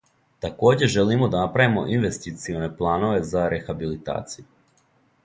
Такође желимо да направимо инвестиционе планове за рехабилитацију.